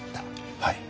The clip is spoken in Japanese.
はい。